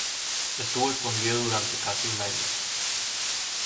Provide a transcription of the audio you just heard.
Estuvo escondido durante casi un año.